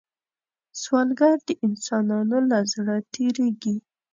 سوالګر د انسانانو له زړه تېرېږي